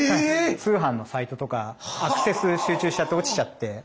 通販のサイトとかアクセス集中しちゃって落ちちゃって。